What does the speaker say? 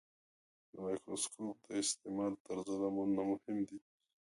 د مایکروسکوپ د استعمال طرزالعملونه مهم دي.